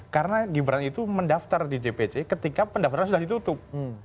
karena gibran itu mendaftar di dpc ketika pendaftaran sudah ditutup